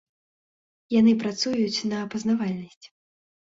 Яны працуюць на пазнавальнасць.